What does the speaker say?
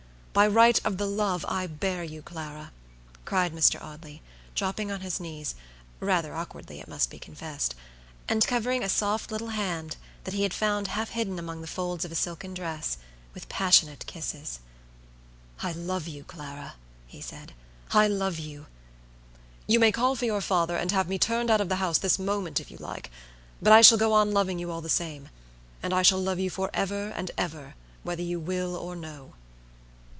By right of the love I bear you, Clara," cried Mr. Audley, dropping on his kneesrather awkwardly, it must be confessedand covering a soft little hand, that he had found half hidden among the folds of a silken dress, with passionate kisses. "I love you, Clara," he said, "I love you. You may call for your father, and have me turned out of the house this moment, if you like; but I shall go on loving you all the same; and I shall love you forever and ever, whether you will or no."